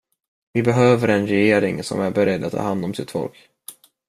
Vi behöver en regering som är beredd att ta hand om sitt folk.